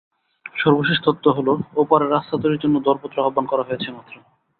সর্বশেষ তথ্য হলো, ওপারে রাস্তা তৈরির জন্য দরপত্র আহ্বান করা হয়েছে মাত্র।